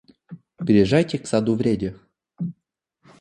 Приезжайте к саду Вреде.